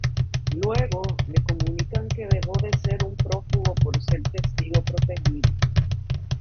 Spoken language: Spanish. Luego, le comunican que dejó de ser un prófugo por ser testigo protegido.